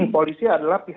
polisi adalah pisah